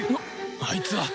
あいつは！